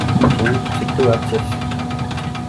Un, cik tu vecs esi?